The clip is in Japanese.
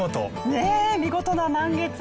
ね、見事な満月。